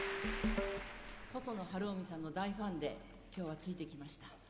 細野晴臣さんの大ファンで今日はついてきました。